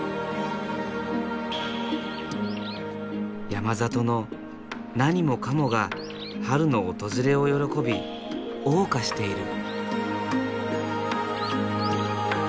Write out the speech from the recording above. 山里の何もかもが春の訪れを喜び謳歌している。